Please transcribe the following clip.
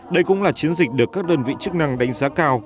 đây cũng là chiến dịch được các đơn vị chức năng đánh giá cao